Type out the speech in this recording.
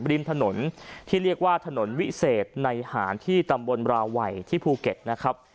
ริมถนนที่เรียกว่าถนนวิเศษในหารที่ตำบลราวัยที่ภูเก็ตนะครับ